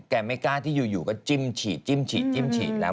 ไม่กล้าที่อยู่ก็จิ้มฉีดจิ้มฉีดจิ้มฉีดแล้ว